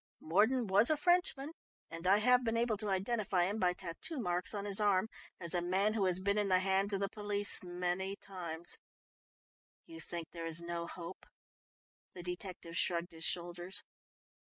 "Mordon was a Frenchman and I have been able to identify him by tattoo marks on his arm, as a man who has been in the hands of the police many times." "You think there is no hope?" The detective shrugged his shoulders.